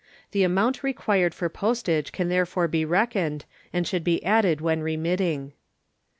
The amount required for postage can therefore be reckoned, and should be added when remitting.